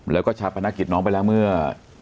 แล้วก็ชาปนกิจน้องไปแล้วเมื่อ